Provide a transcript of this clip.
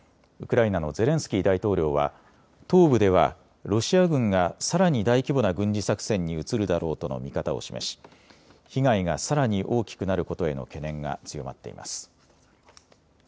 ウクライナのゼレンスキー大統領は東部ではロシア軍がさらに大規模な軍事作戦に移るだろうとの見方を示し被害がさらに大きくなることへの懸念が強まっています。